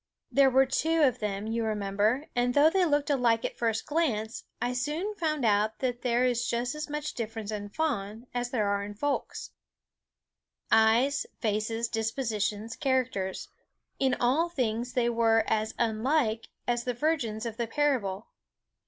There were two of them, you remember; and though they looked alike at first glance, I soon found out that there is just as much difference in fawns as there is in folks. Eyes, faces, dispositions, characters, in all things they were as unlike as the virgins of the parable.